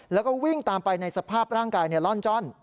แล้วก็วิ่งตามไปในสภาพร่างกายล่อนจ้อน